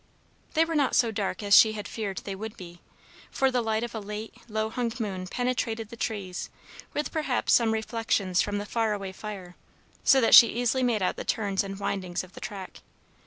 They were not so dark as she had feared they would be, for the light of a late, low hung moon penetrated the trees, with perhaps some reflections from the far away fire, so that she easily made out the turns and windings of the track.